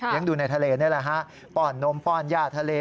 ยังดูในทะเลนี่แหละป่อนนมป่อนหญ้าทะเล